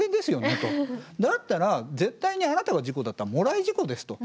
だったら絶対にあなたが事故だったらもらい事故ですと。